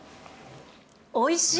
おいしい。